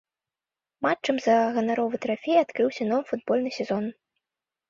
Матчам за ганаровы трафей адкрыўся новы футбольны сезон.